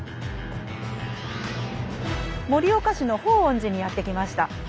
盛岡市の報恩寺にやって来ました。